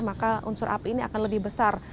maka unsur api ini akan lebih besar